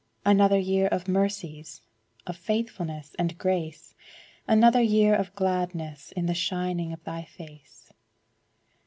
Another year of mercies, Of faithfulness and grace; Another year of gladness In the shining of Thy face.